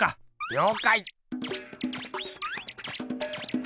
りょうかい！